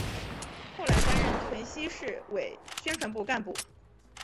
后来担任屯溪市委宣传部干部。